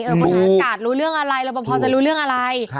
เออบรรยากาศรู้เรื่องอะไรรอปภจะรู้เรื่องอะไร